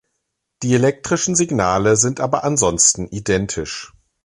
Die elektrischen Signale sind aber ansonsten identisch.